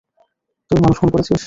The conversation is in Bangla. তুই মানুষ খুন করেছিস!